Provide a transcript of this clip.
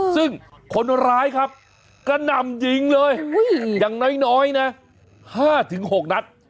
ซึ่งคนร้ายครับกระหน่ำยิงเลยอย่างน้อยนะ๕๖นัด